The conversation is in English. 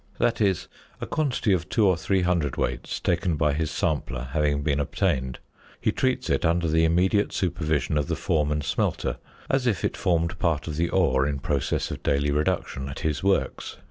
That is, a quantity of 2 or 3 cwts. taken by his sampler having been obtained, he treats it under the immediate supervision of the foreman smelter as if it formed part of the ore in process of daily reduction at his works.